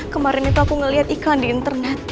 kemarin itu aku ngeliat iklan di internet